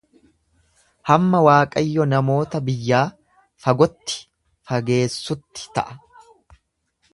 Hamma Waaqayyo namoota biyyaa fagotti fageessutti ta'a.